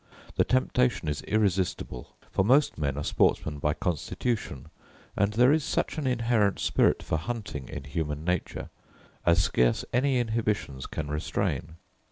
The temptation is irresistible; for most men are sportsmen by constitution: and there is such an inherent spirit for hunting in human nature, as scarce any inhibitions can restrain.